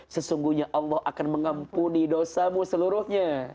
sesungguhnya allah akan mengampuni dosamu seluruhnya